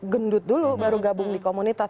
gendut dulu baru gabung di komunitas